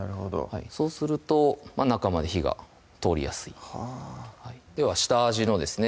そうすると中まで火が通りやすいはぁでは下味のですね